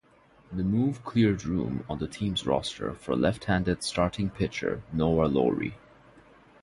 The move cleared room on the team's roster for left-handed starting pitcher Noah Lowry.